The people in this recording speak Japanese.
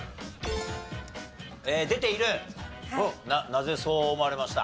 なぜそう思われました？